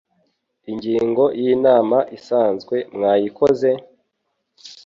Ingingo y’Inama isanzwe mwayikoze ?